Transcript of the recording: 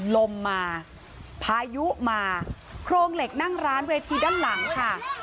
ลมมาพายุมาโครงเหล็กนั่งร้านเวทีด้านหลังค่ะ